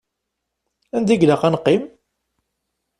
Anda ilaq ad neqqim?